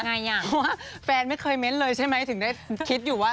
เพราะว่าแฟนไม่เคยเม้นต์เลยใช่ไหมถึงได้คิดอยู่ว่า